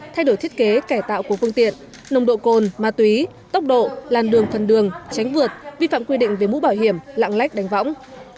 thay đổi thiết kế kẻ tạo của phương tiện nồng độ cồn ma túy tốc độ làn đường phần đường tránh vượt vi phạm quy định về mũ bảo hiểm lạng lách đánh võng